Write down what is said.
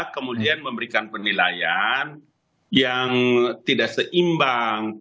kemudian memberikan penilaian yang tidak seimbang